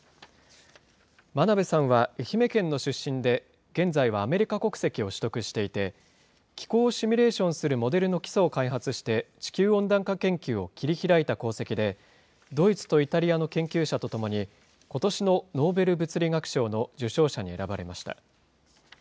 真鍋さんは愛媛県の出身で、現在はアメリカ国籍を取得していて、気候をシミュレーションするモデルの基礎を開発して、地球温暖化研究を切り開いた功績で、ドイツとイタリアの研究者とともに、ことしのノーベル物理学賞の受賞者に選ばれました。